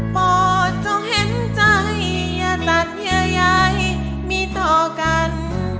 พ่อต้องเห็นใจอย่าตัดเยอะใหญ่มีต่อกัน